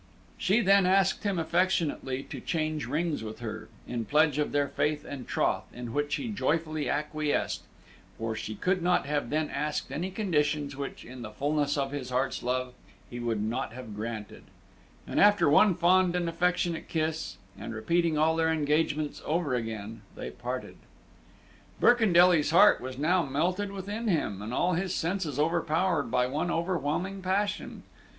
She then asked him affectionately to change rings with her, in pledge of their faith and troth, in which he joyfully acquiesced; for she could not have then asked any conditions which, in the fulness of his heart's love, he would not have granted; and after one fond and affectionate kiss, and repeating all their engagements over again, they parted. Birkendelly's heart was now melted within him, and all his senses overpowered by one overwhelming passion.